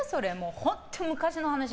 本当に昔の話。